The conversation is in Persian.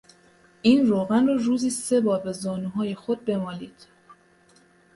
این روغن را روزی سه بار به زانوهای خود بمالید.